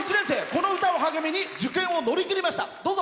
この歌を励みに受験を乗り切りました。